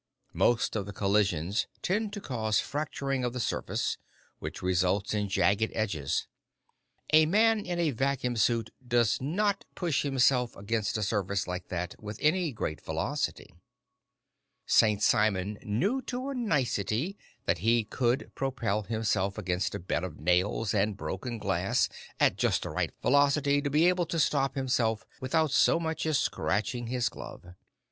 Most of the collisions tend to cause fracturing of the surface, which results in jagged edges. A man in a vacuum suit does not push himself against a surface like that with any great velocity. St. Simon knew to a nicety that he could propel himself against a bed of nails and broken glass at just the right velocity to be able to stop himself without so much as scratching his glove.